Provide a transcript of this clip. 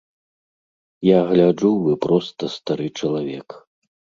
Я гляджу вы проста стары чалавек.